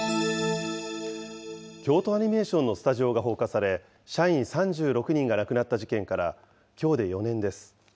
京都アニメーションのスタジオが放火され、社員３６人が亡くなった事件からきょうで４年です。